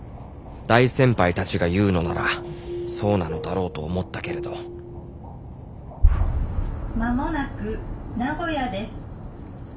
大先輩たちが言うのならそうなのだろうと思ったけれど「間もなく名古屋です。